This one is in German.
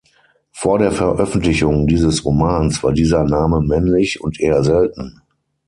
Vor der Veröffentlichung dieses Romans war dieser Name männlich und eher selten.